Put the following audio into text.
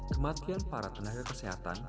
kematian para tenaga kesehatan